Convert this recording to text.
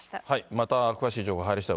また詳しい情報が入りしだい